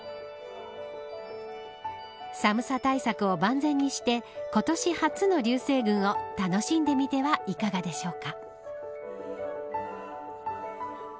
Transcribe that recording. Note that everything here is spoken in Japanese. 寒さ対策を万全にして今年初の流星群を楽しんでみてはいかがでしょうか。